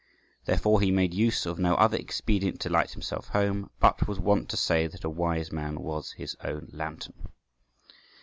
Therefore he made use of no other expedient to light himself home, but was wont to say that a wise man was his own lanthorn.